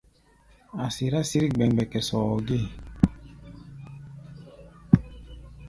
A̧ sirá sǐr gbɛmgbɛkɛ sɔɔ gée.